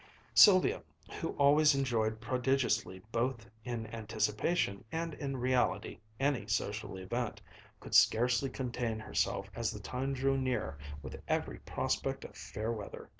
Sylvia, who always enjoyed prodigiously both in anticipation and in reality any social event, could scarcely contain herself as the time drew near with every prospect of fair weather.